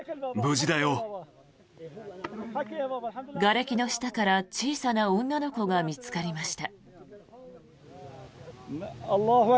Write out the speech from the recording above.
がれきの下から小さな女の子が見つかりました。